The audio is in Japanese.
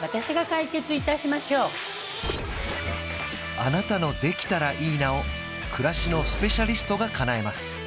私が解決いたしましょうあなたの「できたらいいな」を暮らしのスペシャリストがかなえます